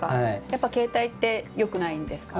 やっぱり携帯ってよくないんですか？